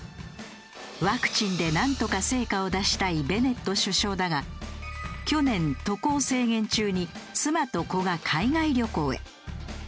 ワクチンでなんとか成果を出したいベネット首相だが去年渡航制限中に妻と子が海外旅行へ。